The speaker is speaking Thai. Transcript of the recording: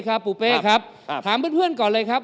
ปอปเป๊ถามเพื่อนก่อนเลยครับ